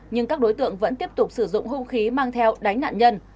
nhưng các đối tượng vẫn tiếp tục sử dụng hung khí mang theo đánh nạn nhân